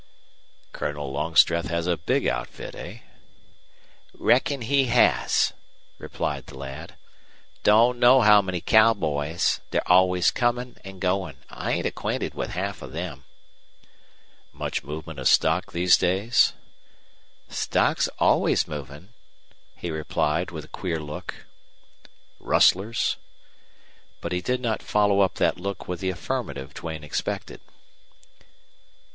"Colonel Longstreth has a big outfit, eh?" "Reckon he has," replied the lad. "Doan know how many cowboys. They're always comin' and goin'. I ain't acquainted with half of them." "Much movement of stock these days?" "Stock's always movin'," he replied, with a queer look. "Rustlers?" But he did not follow up that look with the affirmative Duane expected.